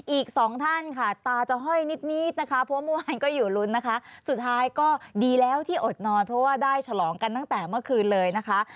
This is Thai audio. อีกสองท่านค่ะตาจะห้อยนิดนะคะเพราะเมื่อวานก็อยู่ลุ้นนะคะสุดท้ายก็ดีแล้วที่อดนอนเพราะว่าได้ฉลองกันตั้งแต่เมื่อคืนเลยนะคะ